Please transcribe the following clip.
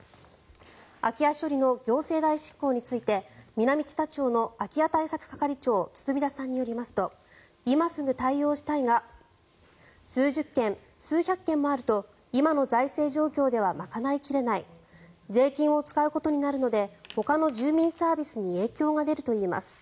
空き家処理の行政代執行について南知多町の空き家対策係長堤田さんによりますと今すぐ対応したいが数十軒、数百軒もあると今の財政状況では賄い切れない税金を使うことになるのでほかの住民サービスに影響が出るといいます。